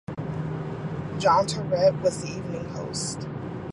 John Terrett was the evening host.